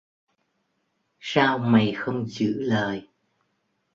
Sao mày không giữ lời